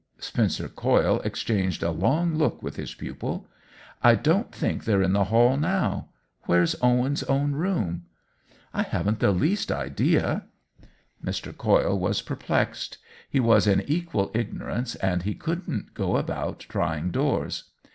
Spencer Coyle exchanged a long look with his pupil. "I don't think they're in the hall now. Where's Owen's own room ?"" I haven't the least idea." Mr. Coyle was perplexed ; he was in equal ignorance, and he couldn't go about trying doors.